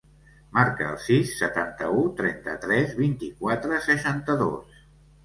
Marca el sis, setanta-u, trenta-tres, vint-i-quatre, seixanta-dos.